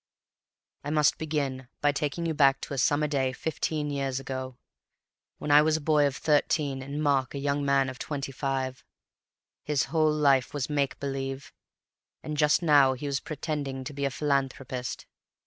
"I must begin by taking you back to a summer day fifteen years ago, when I was a boy of thirteen and Mark a young man of twenty five. His whole life was make believe, and just now he was pretending to be a philanthropist.